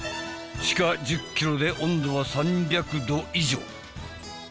地下１０ｋｍで温度は３００℃以上。